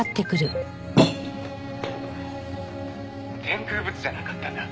「天空仏じゃなかったんだ。